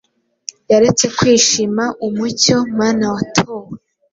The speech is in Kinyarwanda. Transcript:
Yaretse kwishima umucyo-Mana watowe